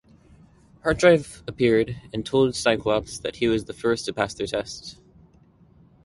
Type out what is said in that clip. HardDrive appeared and told Cyclops that he was the first to pass their test.